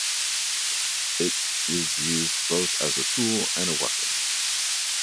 It is used both as a tool and a weapon.